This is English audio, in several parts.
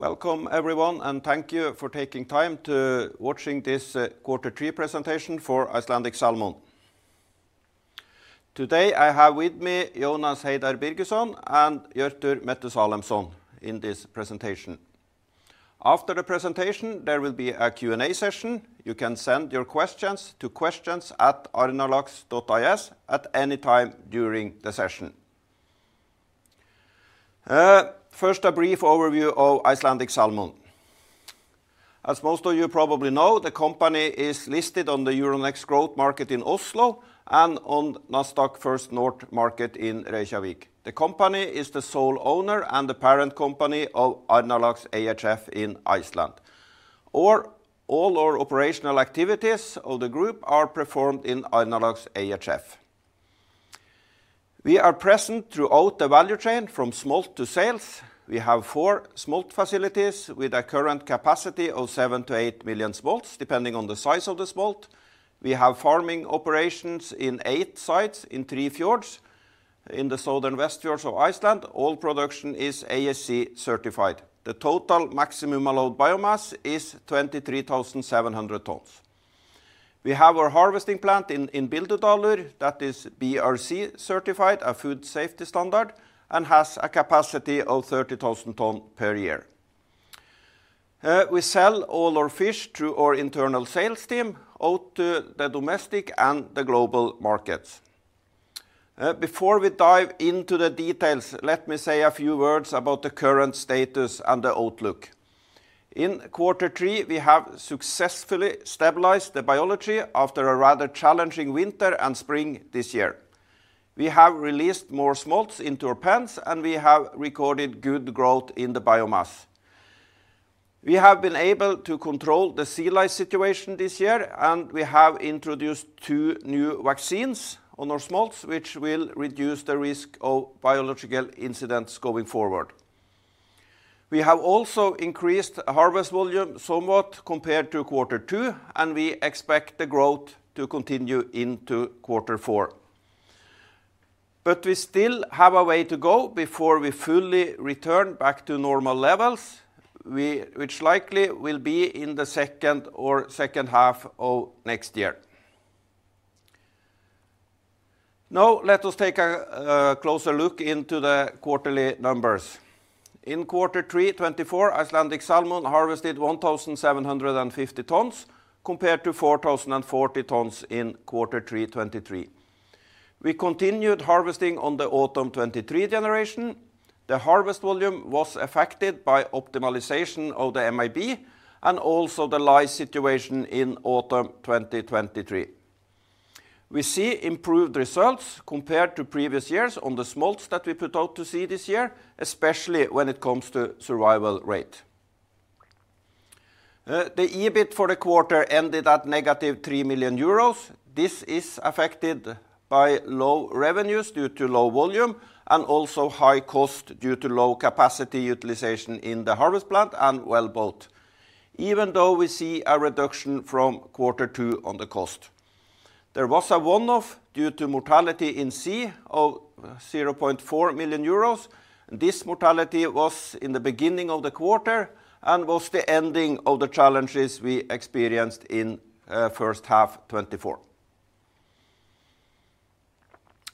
Welcome, everyone, and thank you for taking time to watch this quarter three presentation for Icelandic Salmon. Today I have with me Jónas Heiðar Birgisson and Björn Hembre in this presentation. After the presentation, there will be a Q&A session. You can send your questions to questions@arnarlax.is at any time during the session. First, a brief overview of Icelandic Salmon. As most of you probably know, the company is listed on the Euronext Growth Oslo and on Nasdaq First North Growth Market in Reykjavík. The company is the sole owner and the parent company of Arnarlax ehf in Iceland, or all our operational activities of the group are performed in Arnarlax ehf. We are present throughout the value chain from smolt to sales. We have four smolt facilities with a current capacity of seven to eight million smolts, depending on the size of the smolt. We have farming operations in eight sites in three fjords in the southern Westfjords of Iceland. All production is ASC certified. The total maximum allowed biomass is 23,700 tons. We have our harvesting plant in Bíldudalur that is BRC certified, a food safety standard, and has a capacity of 30,000 tons per year. We sell all our fish through our internal sales team out to the domestic and the global markets. Before we dive into the details, let me say a few words about the current status and the outlook. In quarter three, we have successfully stabilized the biology after a rather challenging winter and spring this year. We have released more smolts into our pens, and we have recorded good growth in the biomass. We have been able to control the sea lice situation this year, and we have introduced two new vaccines on our smolts, which will reduce the risk of biological incidents going forward. We have also increased harvest volume somewhat compared to quarter two, and we expect the growth to continue into quarter four. But we still have a way to go before we fully return back to normal levels, which likely will be in the second or second half of next year. Now, let us take a closer look into the quarterly numbers. In quarter three 2024, Icelandic Salmon harvested 1,750 tonnes compared to 4,040 tonnes in quarter three 2023. We continued harvesting on the autumn 2023 generation. The harvest volume was affected by optimization of the MAB and also the sea lice situation in autumn 2023. We see improved results compared to previous years on the smolts that we put out to sea this year, especially when it comes to survival rate. The EBIT for the quarter ended at -3 million euros. This is affected by low revenues due to low volume and also high cost due to low capacity utilization in the harvest plant and well boat, even though we see a reduction from quarter two on the cost. There was a one-off due to mortality in sea of 0.4 million euros. This mortality was in the beginning of the quarter and was the ending of the challenges we experienced in first half 2024.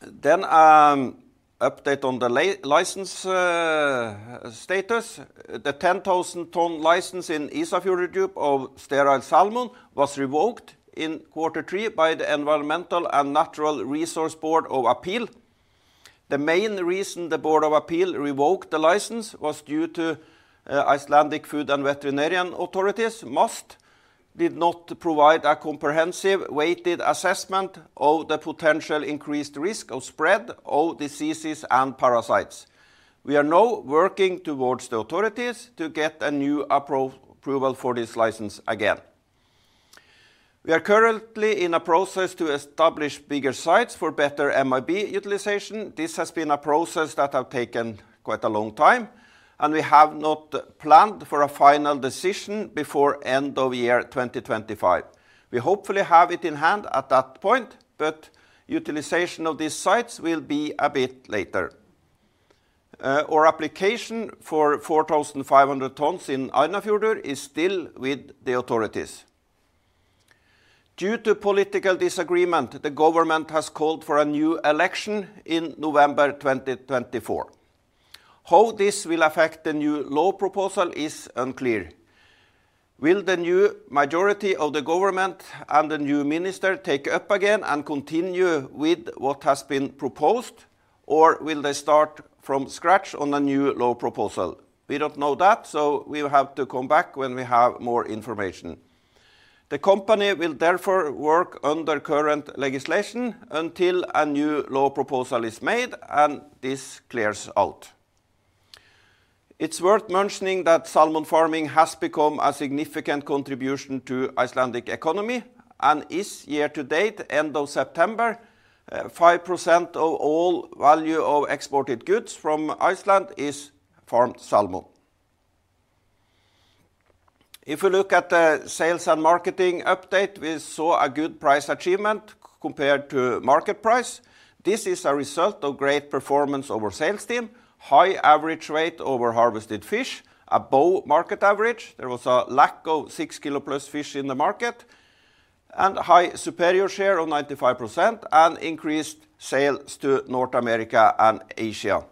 Then an update on the license status. The 10,000-tonne license in Ísafjarðardjúp of sterile salmon was revoked in quarter three by the Environmental and Natural Resources Board of Appeal. The main reason the Board of Appeal revoked the license was due to Icelandic Food and Veterinary Authority's MAST did not provide a comprehensive weighted assessment of the potential increased risk of spread of diseases and parasites. We are now working towards the authorities to get a new approval for this license again. We are currently in a process to establish bigger sites for better MAB utilization. This has been a process that has taken quite a long time, and we have not planned for a final decision before the end of 2025. We hopefully have it in hand at that point, but utilization of these sites will be a bit later. Our application for 4,500 tonnes in Arnarfjörður is still with the authorities. Due to political disagreement, the government has called for a new election in November 2024. How this will affect the new law proposal is unclear. Will the new majority of the government and the new minister take up again and continue with what has been proposed, or will they start from scratch on a new law proposal? We don't know that, so we will have to come back when we have more information. The company will therefore work under current legislation until a new law proposal is made and this clears out. It's worth mentioning that salmon farming has become a significant contribution to the Icelandic economy and is year to date, end of September, 5% of all value of exported goods from Iceland is farmed salmon. If we look at the sales and marketing update, we saw a good price achievement compared to market price. This is a result of great performance of our sales team, high average weight over harvested fish, above market average. There was a lack of six kilo plus fish in the market and a high superior share of 95% and increased sales to North America and Asia.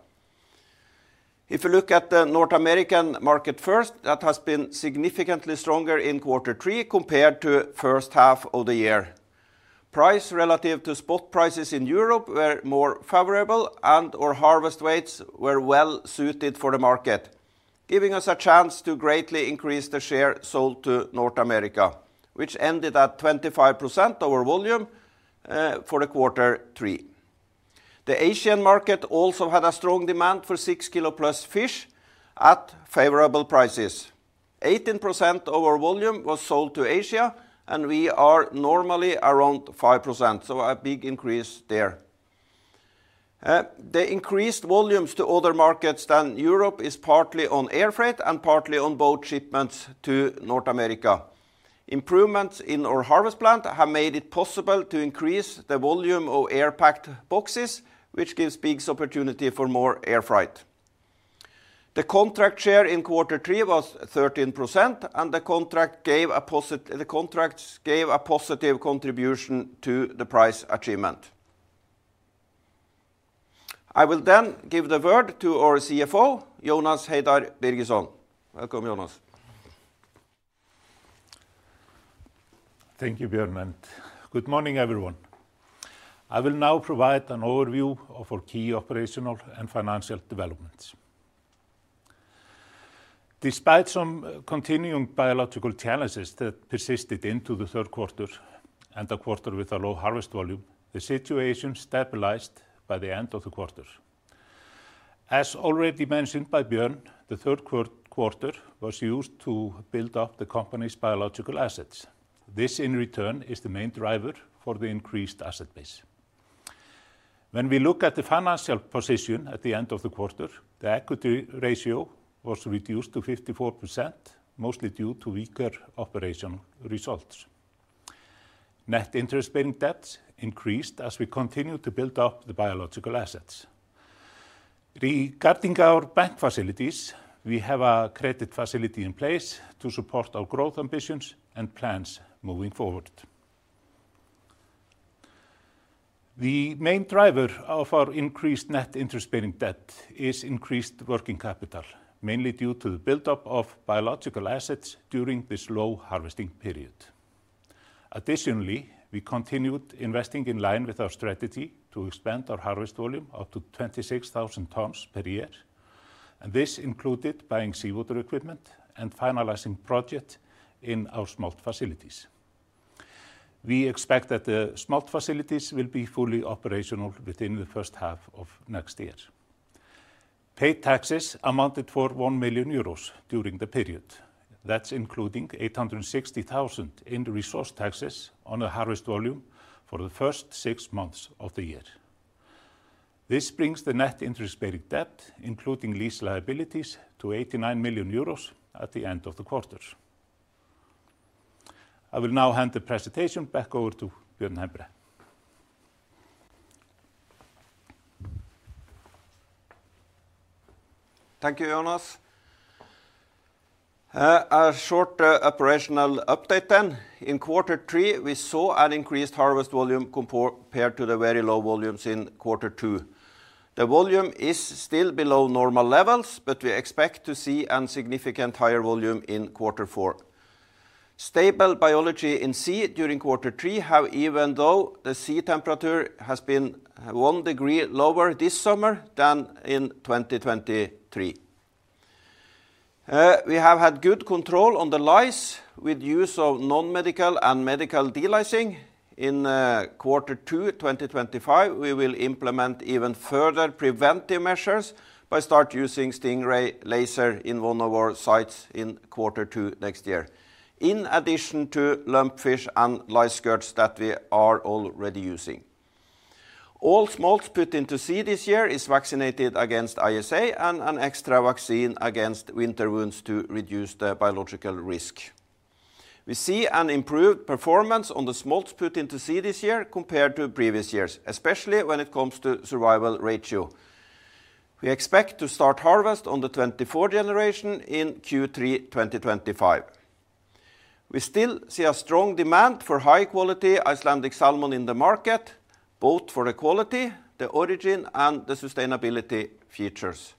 If you look at the North American market first, that has been significantly stronger in quarter three compared to the first half of the year. Price relative to spot prices in Europe were more favorable and our harvest weights were well suited for the market, giving us a chance to greatly increase the share sold to North America, which ended at 25% of our volume for quarter three. The Asian market also had a strong demand for six kilo plus fish at favorable prices. 18% of our volume was sold to Asia, and we are normally around 5%, so a big increase there. The increased volumes to other markets than Europe is partly on air freight and partly on boat shipments to North America. Improvements in our harvest plant have made it possible to increase the volume of air packed boxes, which gives big opportunity for more air freight. The contract share in quarter three was 13%, and the contract gave a positive contribution to the price achievement. I will then give the word to our CFO, Jónas Heiðar Birgisson. Welcome, Jónas. Thank you, Björn Hembre. Good morning, everyone. I will now provide an overview of our key operational and financial developments. Despite some continuing biological challenges that persisted into the third quarter and the quarter with a low harvest volume, the situation stabilized by the end of the quarter. As already mentioned by Björn, the third quarter was used to build up the company's biological assets. This, in return, is the main driver for the increased asset base. When we look at the financial position at the end of the quarter, the equity ratio was reduced to 54%, mostly due to weaker operational results. Net interest-bearing debts increased as we continue to build up the biological assets. Regarding our bank facilities, we have a credit facility in place to support our growth ambitions and plans moving forward. The main driver of our increased net interest-bearing debt is increased working capital, mainly due to the buildup of biological assets during this low harvesting period. Additionally, we continued investing in line with our strategy to expand our harvest volume up to 26,000 tonnes per year, and this included buying seawater equipment and finalizing projects in our smolt facilities. We expect that the smolt facilities will be fully operational within the first half of next year. Paid taxes amounted to 1 million euros during the period. That's including 860,000 in resource taxes on the harvest volume for the first six months of the year. This brings the net interest-bearing debt, including lease liabilities, to 89 million euros at the end of the quarter. I will now hand the presentation back over to Björn Hembre. Thank you, Jónas. A short operational update then. In quarter three, we saw an increased harvest volume compared to the very low volumes in quarter two. The volume is still below normal levels, but we expect to see a significant higher volume in quarter four. Stable biology in sea during quarter three has, even though the sea temperature has been one degree lower this summer than in 2023. We have had good control on the sea lice with the use of non-medical and medical delousing. In quarter two 2025, we will implement even further preventive measures by starting using Stingray laser in one of our sites in quarter two next year, in addition to lumpfish and lice skirts that we are already using. All smolts put into sea this year are vaccinated against ISA and an extra vaccine against winter wounds to reduce the biological risk. We see an improved performance on the smolts put into sea this year compared to previous years, especially when it comes to survival ratio. We expect to start harvest on the 24 generation in Q3 2025. We still see a strong demand for high-quality Icelandic Salmon in the market, both for the quality, the origin, and the sustainability features.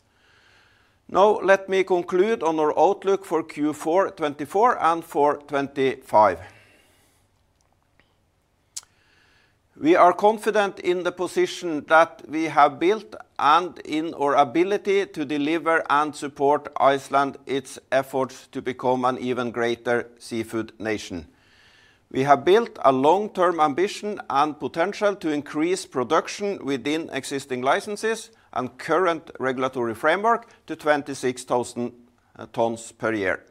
Now, let me conclude on our outlook for Q4 24 and for 25. We are confident in the position that we have built and in our ability to deliver and support Iceland, its efforts to become an even greater seafood nation. We have built a long-term ambition and potential to increase production within existing licenses and current regulatory framework to 26,000 tonnes per year.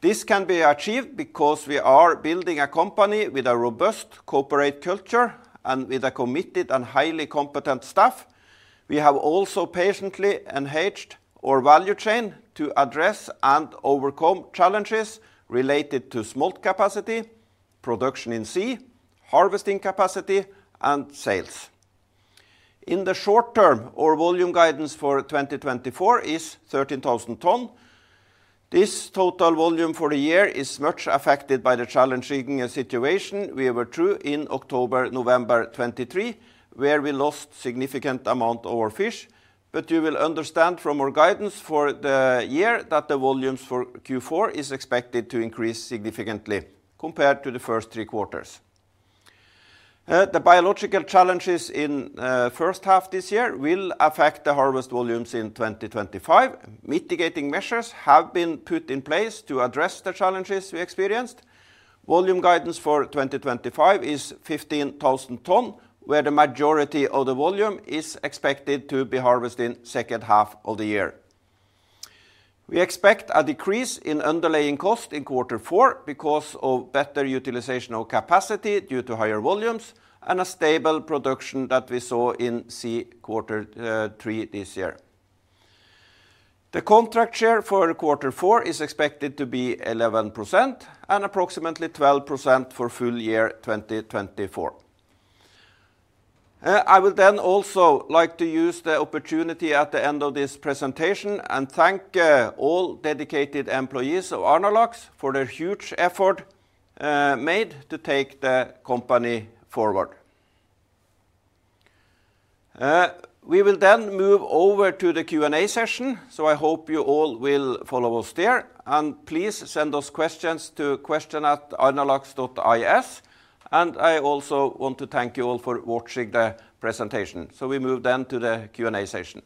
This can be achieved because we are building a company with a robust corporate culture and with a committed and highly competent staff. We have also patiently enhanced our value chain to address and overcome challenges related to smolt capacity, production in sea, harvesting capacity, and sales. In the short term, our volume guidance for 2024 is 13,000 tonnes. This total volume for the year is much affected by the challenging situation we were through in October-November 2023, where we lost a significant amount of our fish. But you will understand from our guidance for the year that the volumes for Q4 are expected to increase significantly compared to the first three quarters. The biological challenges in the first half this year will affect the harvest volumes in 2025. Mitigating measures have been put in place to address the challenges we experienced. Volume guidance for 2025 is 15,000 tonnes, where the majority of the volume is expected to be harvested in the second half of the year. We expect a decrease in underlying costs in quarter four because of better utilization of capacity due to higher volumes and a stable production that we saw in Q3 this year. The contract share for quarter four is expected to be 11% and approximately 12% for full year 2024. I would then also like to use the opportunity at the end of this presentation and thank all dedicated employees of Arnarlax for their huge effort made to take the company forward. We will then move over to the Q&A session, so I hope you all will follow us there. And please send us questions to questions@arnarlax.is. And I also want to thank you all for watching the presentation. So we move then to the Q&A session.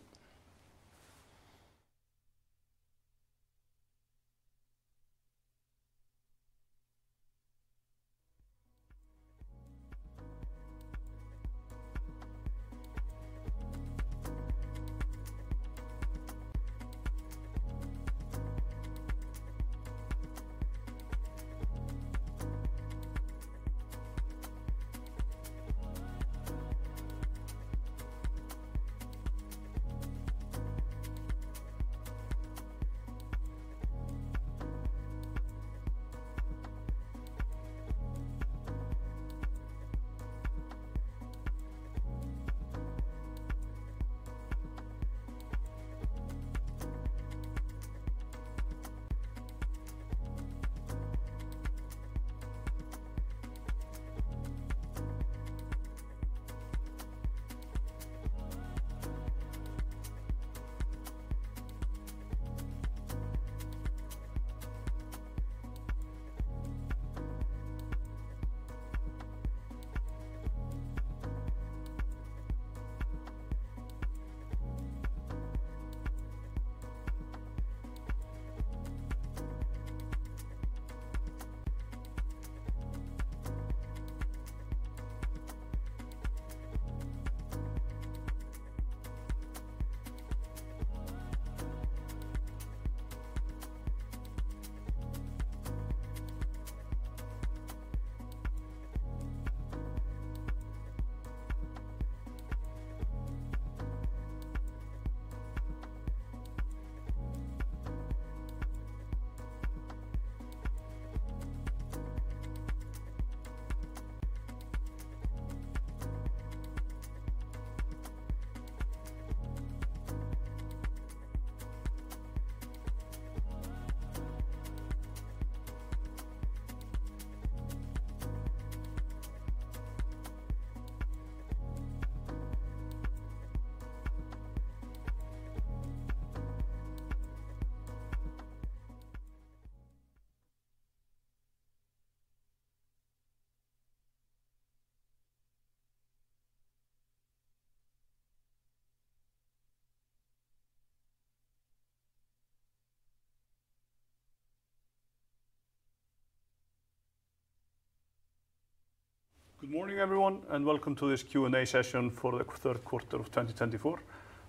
Good morning, everyone, and welcome to this Q&A session for the third quarter of 2024.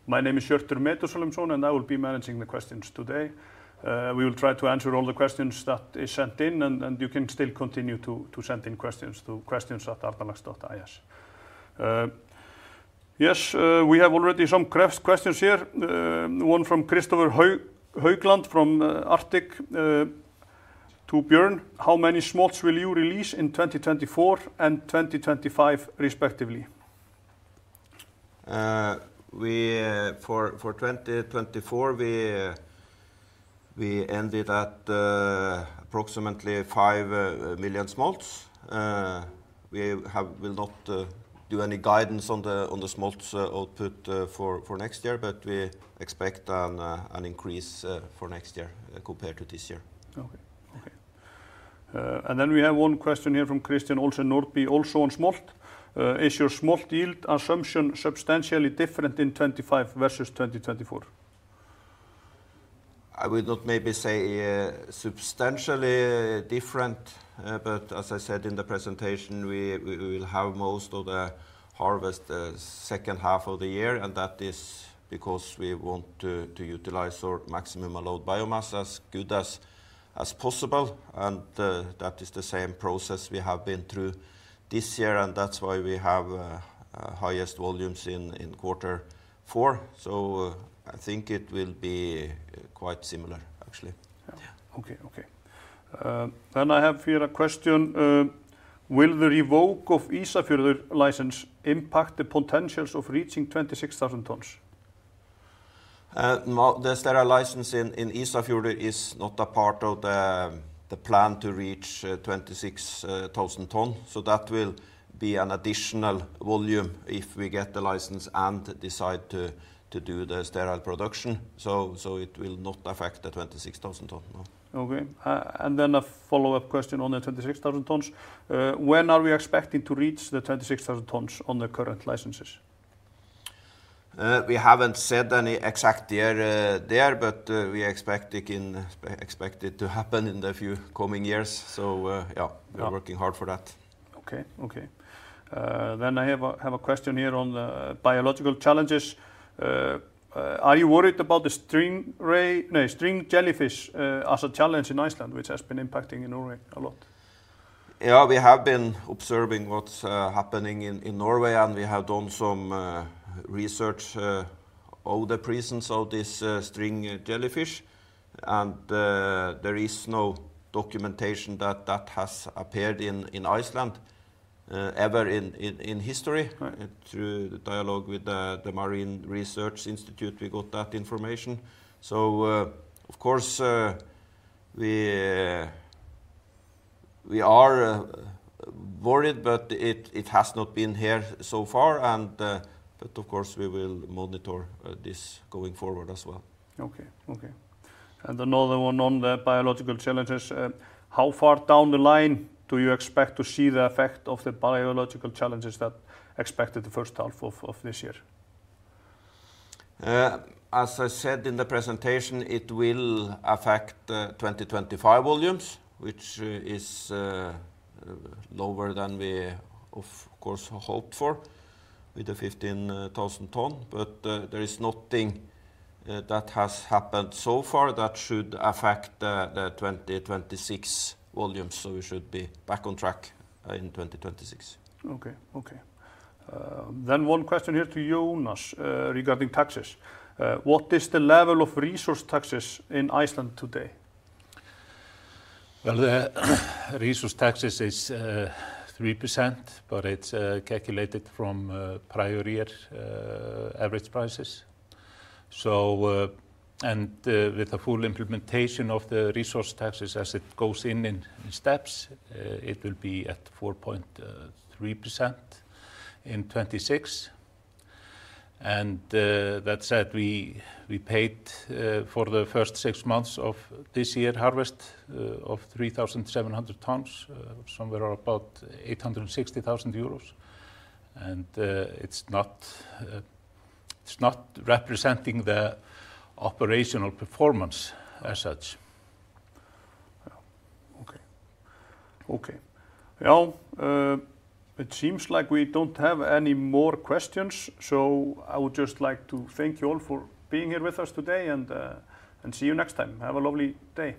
My name is Björn Hembre, and I will be managing the questions today. We will try to answer all the questions that are sent in, and you can still continue to send in questions to questions@arnarlax.is. Yes, we have already some questions here. One from Kristoffer Haugland from Arctic to Björn. How many smolts will you release in 2024 and 2025, respectively? For 2024, we ended at approximately five million smolts. We will not do any guidance on the smolts output for next year, but we expect an increase for next year compared to this year. Okay. And then we have one question here from Christian Olsen Nordby, Kepler Cheuvreux. Is your smolt yield assumption substantially different in 2025 versus 2024? I would not maybe say substantially different, but as I said in the presentation, we will have most of the harvest the second half of the year, and that is because we want to utilize our maximum allowed biomass as good as possible, and that is the same process we have been through this year, and that's why we have highest volumes in quarter four, so I think it will be quite similar, actually. Okay. And I have here a question. Will the revoke of Ísafjarðardjúp license impact the potentials of reaching 26,000 tons? The sterile license in Ísafjörður is not a part of the plan to reach 26,000 tonnes. So that will be an additional volume if we get the license and decide to do the sterile production. So it will not affect the 26,000 tonnes. Okay. And then a follow-up question on the 26,000 tonnes. When are we expecting to reach the 26,000 tonnes on the current licenses? We haven't said any exact year there, but we expect it to happen in the few coming years. So yeah, we're working hard for that. Okay. Then I have a question here on the biological challenges. Are you worried about the string jellyfish as a challenge in Iceland, which has been impacting Norway a lot? Yeah, we have been observing what's happening in Norway, and we have done some research on the presence of this string jellyfish. And there is no documentation that that has appeared in Iceland ever in history. Through the dialogue with the Marine Research Institute, we got that information. So of course, we are worried, but it has not been here so far. But of course, we will monitor this going forward as well. Okay, and another one on the biological challenges. How far down the line do you expect to see the effect of the biological challenges that are expected the first half of this year? As I said in the presentation, it will affect 2025 volumes, which is lower than we, of course, hoped for with the 15,000 tonnes. But there is nothing that has happened so far that should affect the 2026 volumes. So we should be back on track in 2026. Okay, then one question here to Jónas regarding taxes. What is the level of resource taxes in Iceland today? The resource taxes are 3%, but it's calculated from prior year average prices. With the full implementation of the resource taxes as it goes in steps, it will be at 4.3% in 2026. That said, we paid for the first six months of this year's harvest of 3,700 tonnes somewhere around about 860,000 euros. It's not representing the operational performance as such. Okay. Now, it seems like we don't have any more questions. So I would just like to thank you all for being here with us today and see you next time. Have a lovely day.